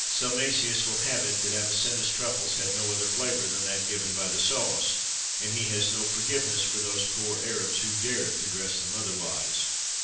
Salmasius will have it that Avicenna's truffles had no other flavour than that given by the sauce, and he has no forgiveness for those poor Arabs who dared to dress them otherwise.